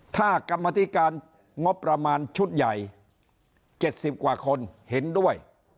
ถ้ากรรมธิการงบประมาณชุดใหญ่๗๐กว่าคนเห็นด้วย